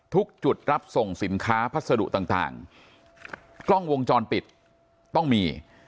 ทุกจุดรับส่งสินค้าพัสดุต่างกล้องวงจรปิดต้องมี